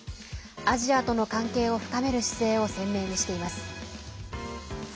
アジアとの関係を深める姿勢を鮮明にしています。